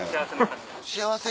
幸せ？